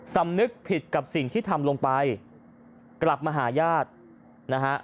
สำนึกผิดกับสิ่งที่ทำลงไปกลับมาหาญาตินะฮะ